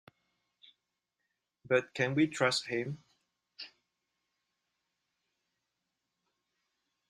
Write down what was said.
But can we trust him?